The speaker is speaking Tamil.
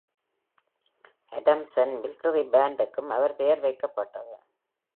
Adamson Military Band-க்கும் அவர் பெயர் வைக்கப்பட்டது.